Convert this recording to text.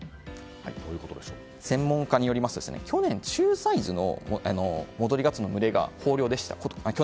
専門家によりますと去年は、中サイズの戻りガツオの群れが豊漁でした。